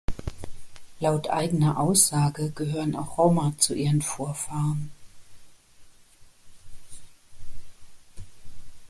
Laut eigener Aussage gehören auch Roma zu ihren Vorfahren.